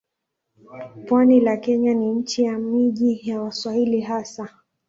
Pwani la Kenya ni nchi ya miji ya Waswahili hasa.